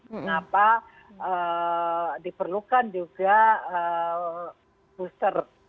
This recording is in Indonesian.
mengapa diperlukan juga booster